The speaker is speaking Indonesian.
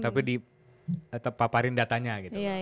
tapi dipaparin datanya gitu